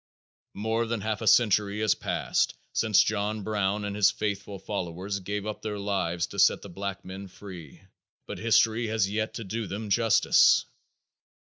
More than half a century has passed since John Brown and his faithful followers gave up their lives to set the black men free, but history has yet to do them justice.